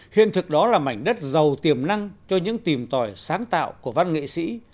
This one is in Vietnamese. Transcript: hiện thực đó là mảnh đất giàu tiềm năng cho những tìm tòi sáng tạo của văn nghệ sĩ